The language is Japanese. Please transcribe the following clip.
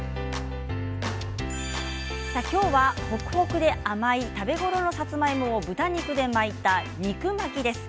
今日は、ほくほくで甘い食べ頃のさつまいもを豚肉で巻いた肉巻きです。